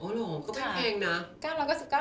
เหรอก็ไม่แพงนะ